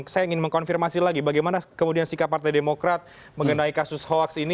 saya ingin mengkonfirmasi lagi bagaimana kemudian sikap partai demokrat mengenai kasus hoax ini